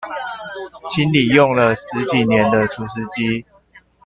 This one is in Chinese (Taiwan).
清理用了十幾年的除濕機